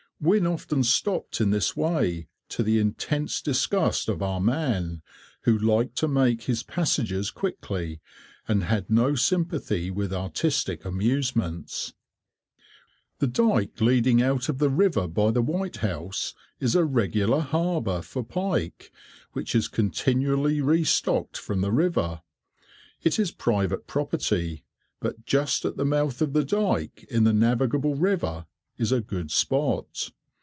Wynne often stopped in this way, to the intense disgust of our man, who liked to make his passages quickly, and had no sympathy with artistic amusements. The dyke leading out of the river by the White House is a regular harbour for pike, which is continually restocked from the river. It is private property, but just at the mouth of the dyke, in the navigable river, is a good spot.